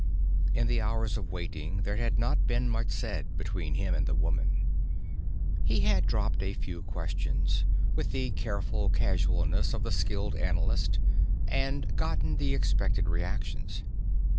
In the hours of waiting there had not been much said between him and the woman. He had dropped a few questions, with the careful casualness of the skilled analyst, and gotten the expected reactions.